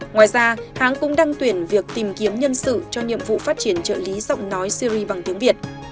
ngoài ra hãng cũng đang tuyển việc tìm kiếm nhân sự cho nhiệm vụ phát triển trợ lý giọng nói syri bằng tiếng việt